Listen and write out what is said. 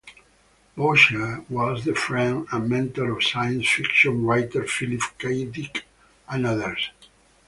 Boucher was the friend and mentor of science-fiction writer Philip K. Dick and others.